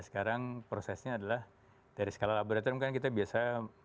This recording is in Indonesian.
sekarang dalam proses transisi